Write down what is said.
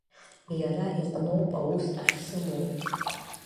Иара иҟноуп аус ахьсымоу!